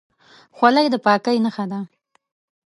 خولۍ د پاکۍ نښه ده.